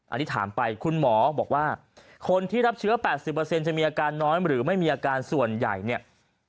อันนี้ถามไปคุณหมอบอกว่าคนที่รับเชื้อ๘๐จะมีอาการน้อยหรือไม่มีอาการส่วนใหญ่เนี่ย